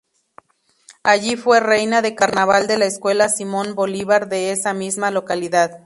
Allí fue reina de carnaval de la Escuela Simón Bolívar de esa misma localidad.